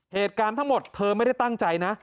เหตุการณ์ทั้งหมดเธอไม่ได้ตั้งใจนะ